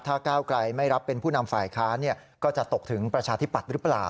ถ้าก้าวไกลไม่รับเป็นผู้นำฝ่ายค้านก็จะตกถึงประชาธิปัตย์หรือเปล่า